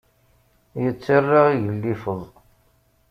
Yettara igellifeẓ.